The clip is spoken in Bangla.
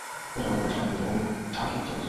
এ সময় মুসলমানরা বেশ ক্লান্ত কিন্তু বনু ছাকীফ সতেজ।